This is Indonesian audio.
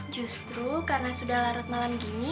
justru karena sudah larut malam gini